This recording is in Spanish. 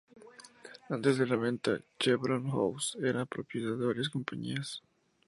Antes de la venta, Chevron House era propiedad de varias compañías.